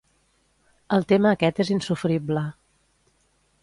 El tema aquest és insofrible.